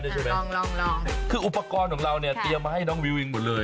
อ๋อต้องใส่แว่นด้วยใช่ไหมคืออุปกรณ์ของเราเนี่ยเตรียมมาให้น้องวิวอีกหมดเลย